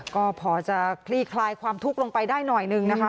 ก็พอจะคลี่คลายความทุกข์ลงไปได้หน่อยหนึ่งนะคะ